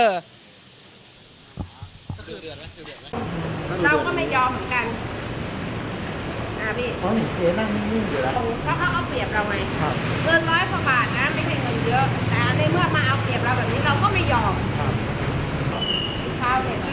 เราก็ไม่ยอมเหมือนกัน